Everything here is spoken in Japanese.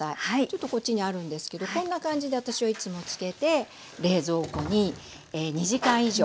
ちょっとこっちにあるんですけどこんな感じで私はいつも漬けて冷蔵庫に２時間以上。